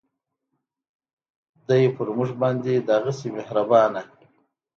دی پر مونږ باندې دغهسې مهربانه